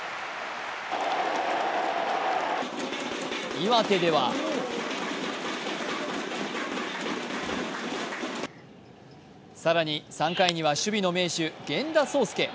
岩手では更に、３回には守備の名手源田壮亮。